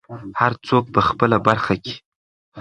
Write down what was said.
هر څوک په خپله برخه کې.